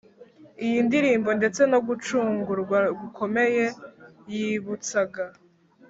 iyi ndirimbo ndetse no gucungurwa gukomeye yibutsaga,